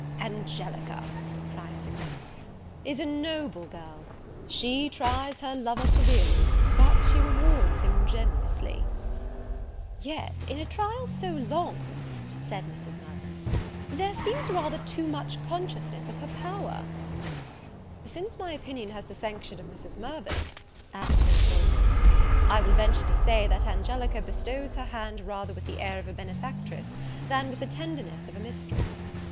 "Angelica," cried Sir Clement, "is a noble girl; she tries her lover severely, but she rewards him generously." "Yet, in a trial so long," said Mrs. Mirvan, "there seems rather too much consciousness of her power." "Since my opinion has the sanction of Mrs. Mirvan," added Lord Orville, "I will venture to say, that Angelica bestows her hand rather with the air of a benefactress, than with the tenderness of a mistress.